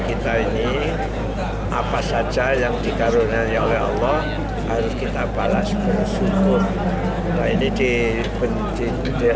kita ini apa saja yang dikaruniai oleh allah harus kita balas bersyukur ini dibenci